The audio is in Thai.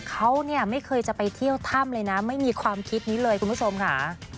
เขาเนี่ยไม่เคยจะไปเที่ยวถ้ำเลยนะไม่มีความคิดนี้เลยคุณผู้ชมค่ะ